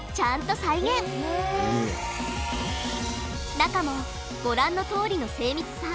中もご覧のとおりの精密さ。